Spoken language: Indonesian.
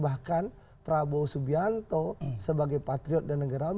bahkan prabowo subianto sebagai patriot dan negarawan